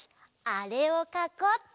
あれをかこうっと！